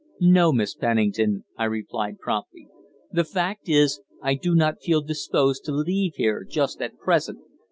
"No, Miss Pennington," I replied promptly; "the fact is, I do not feel disposed to leave here just at present.